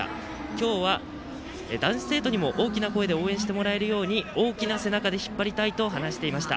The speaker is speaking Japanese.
今日は男子生徒にも大きな声で応援してもらえるように大きな背中で引っ張りたいと話していました。